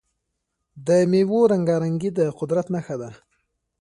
د میوو رنګارنګي د قدرت نښه ده.